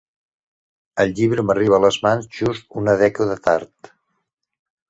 El llibre m'arriba a les mans just una dècada tard.